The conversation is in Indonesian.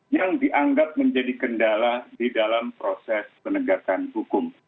yang dianggap menjadi kendala di dalam proses penegakan hukum